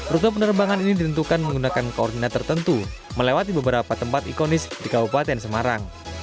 rute penerbangan ini ditentukan menggunakan koordinat tertentu melewati beberapa tempat ikonis di kabupaten semarang